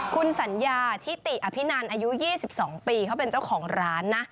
คุณสัญญาทิติอภินันอายุ๒๒ปีเขาเป็นเจ้าของร้านนะ